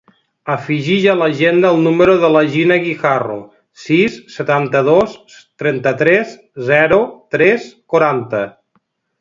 Afegeix a l'agenda el número de la Gina Guijarro: sis, setanta-dos, trenta-tres, zero, tres, quaranta.